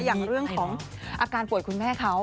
อย่างเรื่องของอาการป่วยคุณแม่เขา